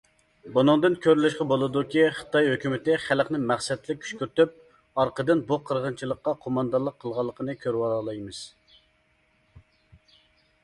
بۇنىڭدىن كۆرۈۋېلىشقا بولىدۇكى خىتاي ھۆكۈمىتى خەلقىنى مەقسەتلىك كۈشكۈرتۈپ ئارقىدىن بۇ قىرغىنچىلىققا قوماندانلىق قىلغانلىقىنى كۆرۈۋالالايمىز.